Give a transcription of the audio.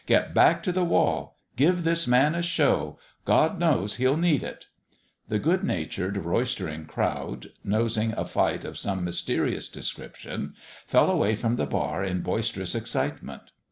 " Get back to the wall ! Give this man a show ! God knows, he'll need it 1 " The good natured, roistering crowd, nosing a fight of some mys terious description, fell away from the bar in boisterous excitement.